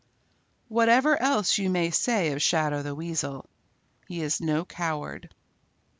Whatever else you may say of Shadow the Weasel, he is no coward.